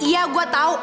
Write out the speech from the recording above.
iya gue tau